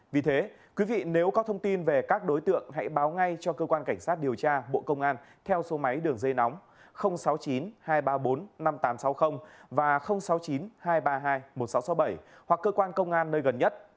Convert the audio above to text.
vì thế quý vị nếu có thông tin về các đối tượng hãy báo ngay cho cơ quan cảnh sát điều tra bộ công an theo số máy đường dây nóng sáu mươi chín hai trăm ba mươi bốn năm nghìn tám trăm sáu mươi và sáu mươi chín hai trăm ba mươi hai một nghìn sáu trăm sáu mươi bảy hoặc cơ quan công an nơi gần nhất